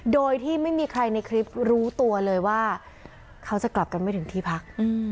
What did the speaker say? โดยที่ไม่มีใครในคลิปรู้ตัวเลยว่าเขาจะกลับกันไม่ถึงที่พัก